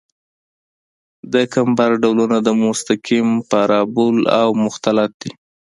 د کمبر ډولونه مستقیم، پارابول او مختلط دي